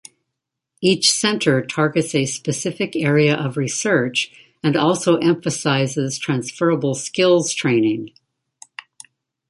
Each Centre targets a specific area of research, and also emphasises transferable skills training.